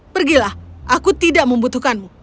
pergilah aku tidak membutuhkanmu